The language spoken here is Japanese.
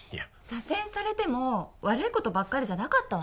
左遷されても悪いことばっかりじゃなかったわね。